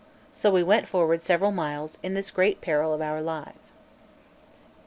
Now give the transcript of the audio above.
So we went forward several miles in this great peril of our lives.